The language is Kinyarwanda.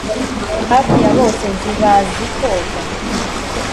Hafi ya bose nzi bazi koga